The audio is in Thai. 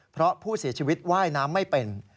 เพราะผู้เสียชีวิตว่ายน้ำไม่เป็น